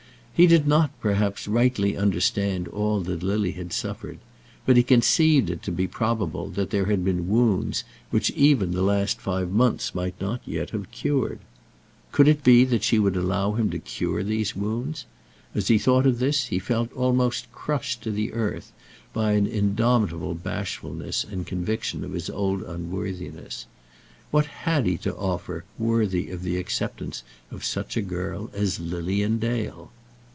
He did not, perhaps, rightly understand all that Lily had suffered, but he conceived it to be probable that there had been wounds which even the last five months might not yet have cured. Could it be that she would allow him to cure these wounds? As he thought of this he felt almost crushed to the earth by an indomitable bashfulness and conviction of his own unworthiness. What had he to offer worthy of the acceptance of such a girl as Lilian Dale?